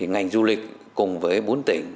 ngành du lịch cùng với bốn tỉnh